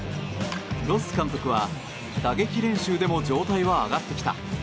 ロス監督は、打撃練習でも状態は上がってきた。